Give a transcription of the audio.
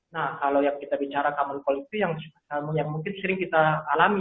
nah kalau yang kita bicara common politik yang mungkin sering kita alami